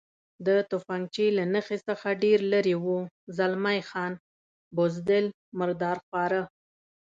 د تفنګچې له نښې څخه ډېر لرې و، زلمی خان: بزدل، مرادرخواره.